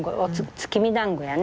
月見だんごやね。